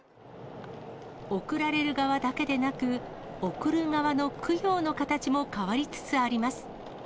送られる側だけでなく、送る側の供養の形も変わりつつあります。